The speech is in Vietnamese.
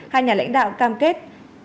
hai nhà lãnh đạo cam kết